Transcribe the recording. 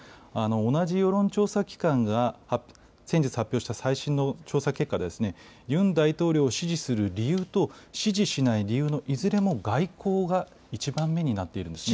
同じ世論調査機関が先日発表した最新の調査結果で、ユン大統領を支持する理由と、支持しない理由のいずれも外交が１番目になっているんですね。